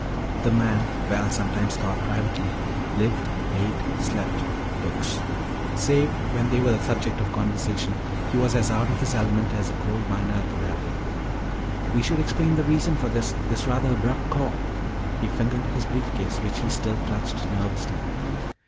The man, Val sometimes thought privately, lived, ate, slept books. Save when they were the subject of conversation, he was as out of his element as a coal miner at the ballet. "We should explain the reason for this this rather abrupt call." He fingered his brief case, which he still clutched, nervously.